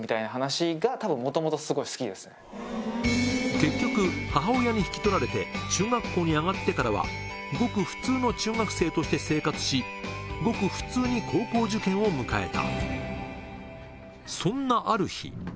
結局母親に引き取られて中学校に上がってからはごく普通の中学生として生活しごく普通に高校受験を迎えた